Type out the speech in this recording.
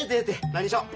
何しよう？